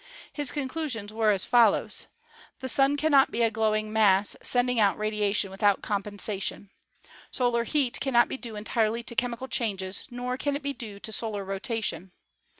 His conclusions were as follows: The Sun cannot be a glowing mass sending out radiation without compensation. Solar heat cannot be due entirely to chemical changes, nor can it be due to solar rotation.